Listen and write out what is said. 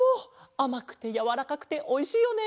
あまくてやわらかくておいしいよね。